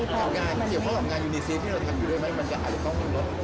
เฉพาะกับงานยูนีเซียที่เราทำด้วยมันจะอาจจะต้องมีรถ